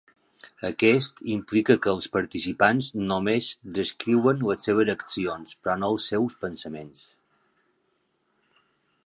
Aquest implica que els participants només descriuen les seves accions, però no els seus pensaments.